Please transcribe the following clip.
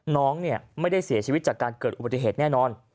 น้องไม่ได้เสียชีวิตจากการเกิดอุบัติเหตุแน่นอน